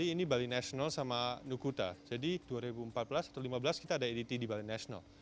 di bali ini bali national sama nukuta jadi dua ribu empat belas atau dua ribu lima belas kita ada edt di bali national